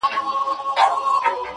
• په لیدلو چي یې وو په زړه نتلی -